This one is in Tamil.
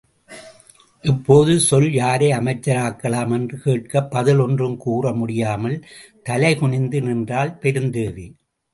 இப்போது சொல் யாரை அமைச்சராக்கலாம்? என்று கேட்க, புதில் ஒன்றும் கூற முடியாமல் தலைகுனிந்து நின்றாள் பெருந்தேவி.